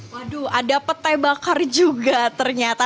waduh ada petai bakar juga ternyata